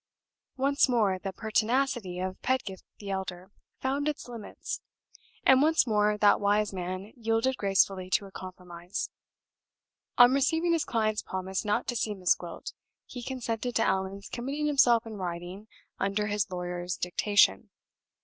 Once more the pertinacity of Pedgift the elder found its limits, and once more that wise man yielded gracefully to a compromise. On receiving his client's promise not to see Miss Gwilt, he consented to Allan's committing himself in writing under his lawyer's dictation.